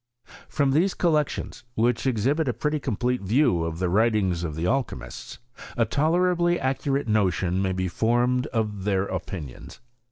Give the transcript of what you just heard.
From these collections, which exhibit a pretty com plete view of the writings of the alchymists, a tolerably accurate notion may be formed of their opinions.